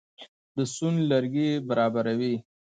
د سون لرګي برابروي.